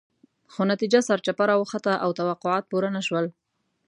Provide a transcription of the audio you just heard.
خو نتیجه سرچپه راوخته او توقعات پوره نه شول.